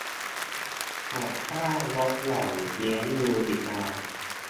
หักค่าลดหย่อนเลี้ยงดูบิดา